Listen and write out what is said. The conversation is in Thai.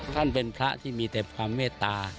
ท่านเป็นพระที่มีแต่ความเมตตา